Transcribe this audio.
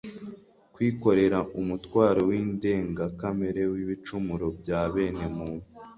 kwikorera umutwaro w'indengakamere w'ibicumuro bya bene muntu,